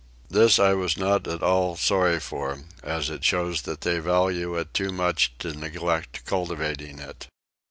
This I was not at all sorry for as it shows that they value it too much to neglect cultivating it.